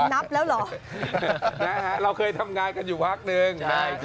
พี่เตมส์บอกนับแล้วหรอเราเคยทำงานกันอยู่พักหนึ่ง